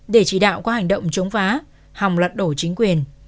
để chỉ đạo qua hành động chống phá hòng lật đổ chính quyền